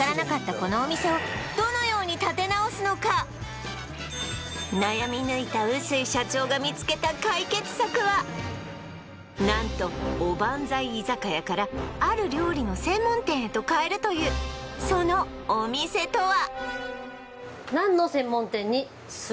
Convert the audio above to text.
このお店を悩み抜いた何とおばんざい居酒屋からある料理の専門店へと変えるというそのお店とは？